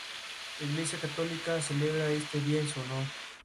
La Iglesia católica celebra este día en su honor.